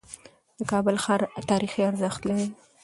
د کابل ښار تاریخي ارزښت لري.